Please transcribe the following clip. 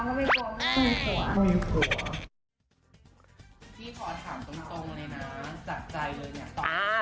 ขอถามตรงเลยนะจากใจเลยเนี่ยตอนนี้